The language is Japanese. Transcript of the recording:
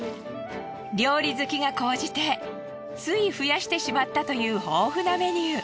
料理好きが高じてつい増やしてしまったという豊富なメニュー。